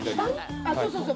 そうそうそう！